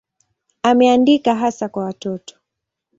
Ameandika hasa kwa watoto.